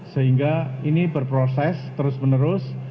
sehingga ini berproses terus menerus